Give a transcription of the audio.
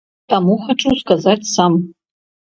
Таму хачу сказаць сам.